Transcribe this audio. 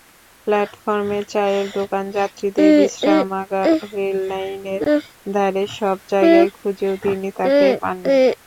প্ল্যাটফর্মের চায়ের দোকান, যাত্রীদের বিশ্রামাগার, রেললাইনের ধারে—সব জায়গায় খুঁজেও তিনি তাকে পাননি।